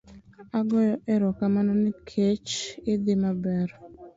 agoyo aromakano nikech idhi maber